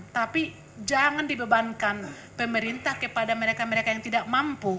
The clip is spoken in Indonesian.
tapi jangan dibebankan pemerintah kepada mereka mereka yang tidak mampu